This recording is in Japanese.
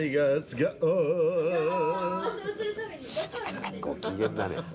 ご機嫌だね。